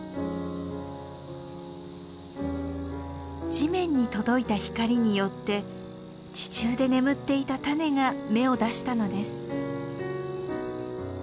地面に届いた光によって地中で眠っていた種が芽を出したのです。